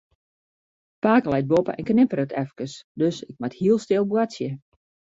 Pake leit boppe en knipperet efkes, dus ik moat hiel stil boartsje.